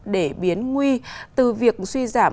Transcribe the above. để biến nguy từ việc suy giảm